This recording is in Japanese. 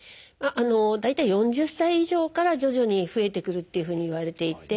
大体４０歳以上から徐々に増えてくるというふうにいわれていて。